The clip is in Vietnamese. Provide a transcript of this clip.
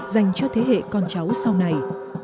dành cho thế hệ con cháu sau này